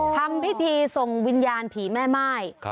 ทำพิธีส่งวิญญาณผีแม่ม่าย